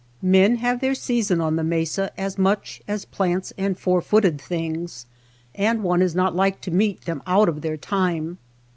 155 THE MESA TRAIL Men have their season on the mesa as much as plants and four footed things, and one is not like to meet them out of their time.